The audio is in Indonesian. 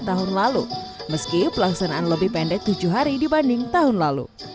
tahun lalu meski pelaksanaan lebih pendek tujuh hari dibanding tahun lalu